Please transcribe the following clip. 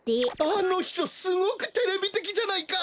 あのひとすごくテレビてきじゃないか。